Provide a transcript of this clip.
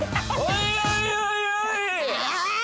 おいおいおいああ